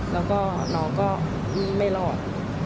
แล้วก็น้องก็ไม่รอด